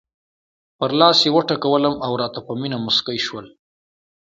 پر لاس یې وټکولم او راته په مینه مسکی شول.